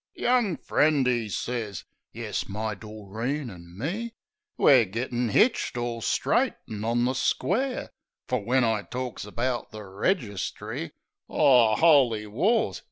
"Young friend," 'e sez ... Yes, my Doreen an' me We're gettin' hitched, all straight an' on the square, Fer when I torks about the registry — O 'oly wars